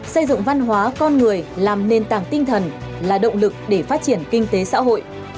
xây dựng văn hóa con người làm nền tảng tinh thần là động lực để phát triển kinh tế xã hội